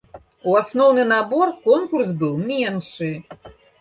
У асноўны набор конкурс быў меншы.